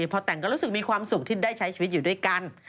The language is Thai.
พอแต่งก็รู้สึกมีความสุขที่ได้ใช้ชีวิตอยู่ด้วยกัน